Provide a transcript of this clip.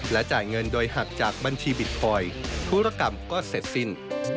จ่ายเงินโดยหักจากบัญชีบิตคอยน์ธุรกรรมก็เสร็จสิ้น